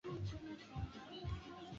hii hayana ushahidi ikaba